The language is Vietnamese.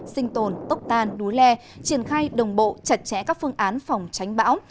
sinh tồn tốc tan núi le triển khai đồng bộ chặt chẽ các phương án phòng tránh bão